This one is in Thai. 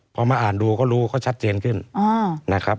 พอมาอ่านดูเขารู้เขาชัดเจนขึ้นนะครับ